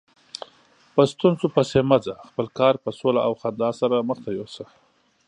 په ستونزو پسې مه ځه، خپل کار په سوله او خندا سره مخته یوسه.